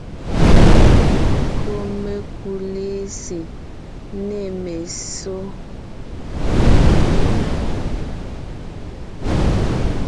Gÿo mekú lɛ́sè nê messó,